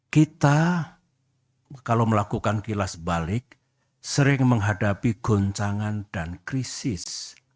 kita kalau melakukan kilas balik sering menghadapi goncangan dan krisis